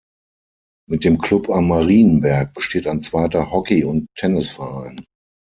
Mit dem Club am Marienberg besteht ein zweiter Hockey- und Tennisverein.